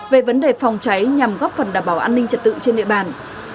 về vấn đề phòng cháy nhằm góp phần đảm bảo an ninh trật tự trên địa bàn